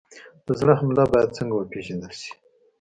د زړه حمله باید څنګه وپېژندل شي؟